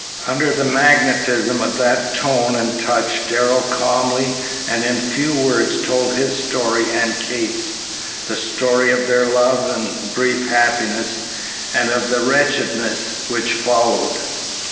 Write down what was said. Under the magnetism of that tone and touch Darrell calmly and in few words told his story and Kate's, the story of their love and brief happiness, and of the wretchedness which followed.